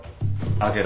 開けろ。